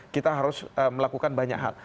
kita harus melakukan banyak hal